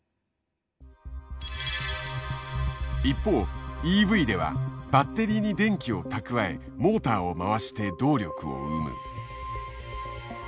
一方ＥＶではバッテリーに電気を蓄えモーターを回して動力を生む。